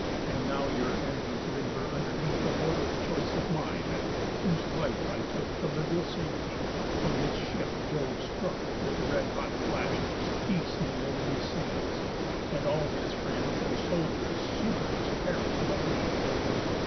And now your envies labour underneath A mortal's choice of mine; whose life I took To lib'ral safety, when his ship Jove strook, With red hot flashes, piece meal in the seas, And all his friends and soldiers succourless Perish'd but he.